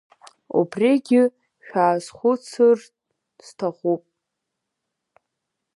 Убригьы шәаазхәыцыр сҭахуп.